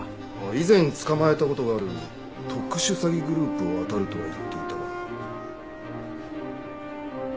以前捕まえた事がある特殊詐欺グループをあたるとは言っていたが。